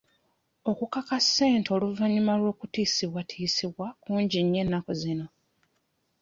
Okukaka ssente oluvannyuma lw'okutiisibwatiisibwa kungi nnyo ennaku zino.